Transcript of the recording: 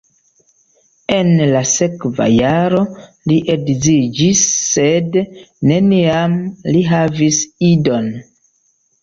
En la sekva jaro li edziĝis sed neniam li havis idon.